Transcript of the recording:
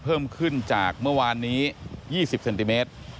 เพิ่มขึ้นจากเมื่อวานนี้๒๐เซนติเมตร